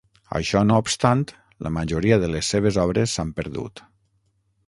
Això no obstant, la majoria de les seves obres s'han perdut.